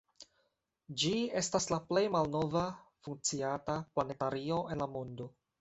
Ĝi estas la plej malnova funkcianta planetario en la mondo.